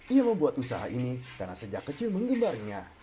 ia membuat usaha ini karena sejak kecil mengembalinya